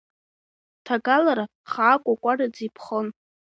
Ҭагалара хаакәакәараӡа иԥхон.